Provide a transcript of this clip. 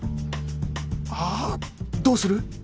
ああどうする？